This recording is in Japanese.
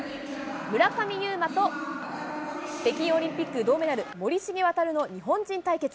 村上右磨と、北京オリンピック銅メダル、森重航の日本人対決。